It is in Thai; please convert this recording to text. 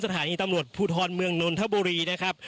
สถานีตำรวจภูทรเมืองนนทบุรีนะครับ